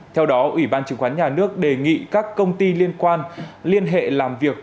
theo đó ủy ban chứng khoán nhà nước đề nghị các công ty liên quan liên hệ làm việc